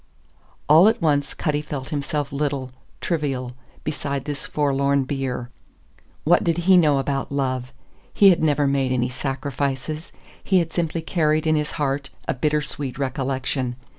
All at once Cutty felt himself little, trivial, beside this forlorn bier. What did he know about love? He had never made any sacrifices; he had simply carried in his heart a bittersweet recollection.